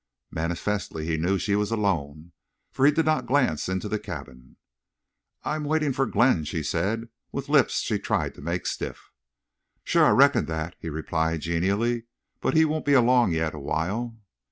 Manifestly he knew she was alone, for he did not glance into the cabin. "I'm waiting for—Glenn," she said, with lips she tried to make stiff. "Shore I reckoned thet," he replied, genially. "But he won't be along yet awhile."